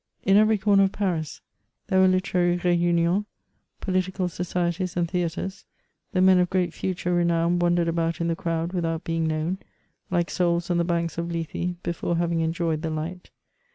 In every corner of Paris there were literary reunions, political societies and theatres ; the men of great future renown wandered about in the crowd without being known, like souls on the banks of Lethe before having enjoyed the light.